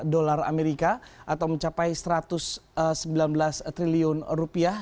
wise anya kotaroph strive belas triliun rupiah